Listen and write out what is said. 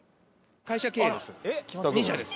会社経営です。